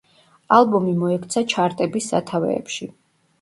ალბომი მოექცა ჩარტების სათავეებში.